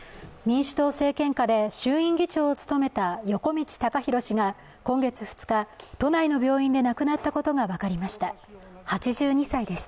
民主党政権下で衆院議長を務めた横路孝弘さんが今月２日、都内の病院で亡くなったことが分かりました、８２歳でした。